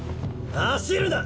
走るな！